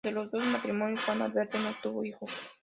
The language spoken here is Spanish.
De los dos matrimonios, Juan Alberto no tuvo hijos.